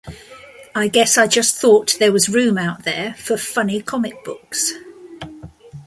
I guess I just thought there was room out there for funny comic books.